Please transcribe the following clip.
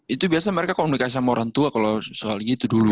itu biasa mereka komunikasi sama orang tua kalau soalnya itu dulu